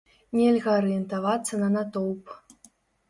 Нельга арыентавацца на натоўп.